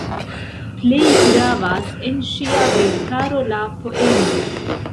Plej gravas en ŝia verkaro la poemoj.